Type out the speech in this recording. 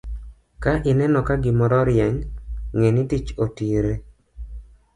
Ka ineno ka gimoro rieny, ng'e ni tich otire.